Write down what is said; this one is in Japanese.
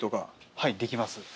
はいできます。